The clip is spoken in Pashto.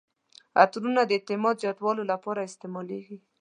عطرونه د اعتماد زیاتولو لپاره استعمالیږي.